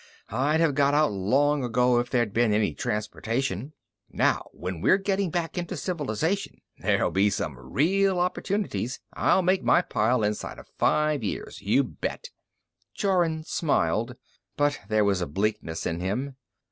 I'd have got out long ago if there'd been any transportation. Now, when we're getting back into civilization, there'll be some real opportunities. I'll make my pile inside of five years, you bet." Jorun smiled, but there was a bleakness in him.